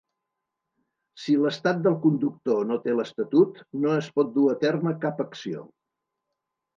Si l'estat del conductor no té l'estatut, no es pot dur a terme cap acció.